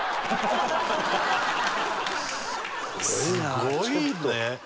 すごいね。